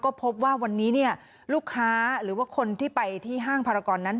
ก็พบว่าวันนี้ลูกค้าหรือว่าคนที่ไปที่ห้างภารกรนั้น